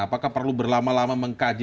apakah perlu berlama lama mengkaji